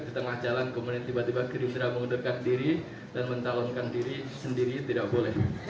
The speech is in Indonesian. di tengah jalan kemudian tiba tiba gerindra mengundurkan diri dan mencalonkan diri sendiri tidak boleh